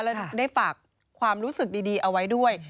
และได้ฝากความรู้สึกดีเอาไว้ด้วย